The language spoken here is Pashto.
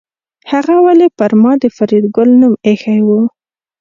هغه ولې پر ما د فریدګل نوم ایښی و